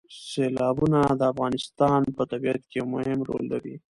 سیلابونه د افغانستان په طبیعت کې یو مهم رول لري.